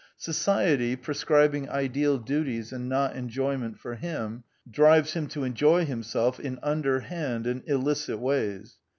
Society, prescribing ideal duties and not enjoyment for him, drives him to enjoy himself in underhand and illicit ways.